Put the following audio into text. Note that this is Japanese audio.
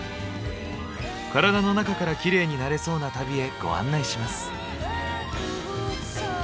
カラダの中からキレイになれそうな旅へご案内します。